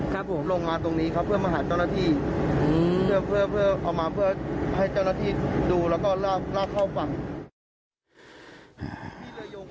ครับผมลงมาตรงนี้ครับเพื่อมาหาเจ้าหน้าที่เพื่อเอามาเพื่อให้เจ้าหน้าที่ดูแล้วก็ลากเข้าฝั่ง